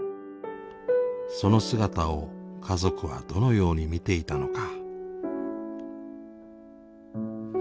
その姿を家族はどのように見ていたのか。